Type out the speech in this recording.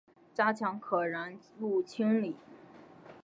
加强可燃物清理